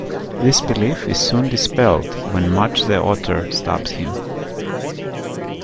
This belief is soon dispelled when Mudge the Otter stabs him.